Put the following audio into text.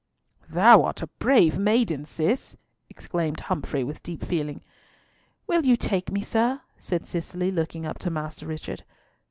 "Thou art a brave maiden, Cis," exclaimed Humfrey with deep feeling. "Will you take me, sir?" said Cicely, looking up to Master Richard.